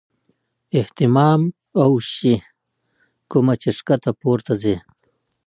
اهتمام اوشي کومه چې ښکته پورته ځي -